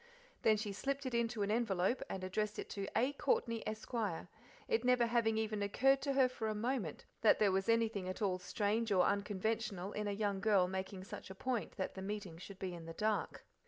Then she slipped it into an envelope and addressed it to A. Courtney, Esq., it never having even occurred to her for a moment that there was anything at all strange or unconventional in a young girl making such a point that the meeting should be in the dark.